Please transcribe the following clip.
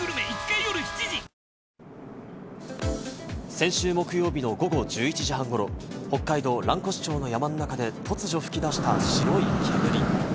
先週木曜日の午後１１時半ごろ、北海道の蘭越町の山の中で突如噴き出した白い煙。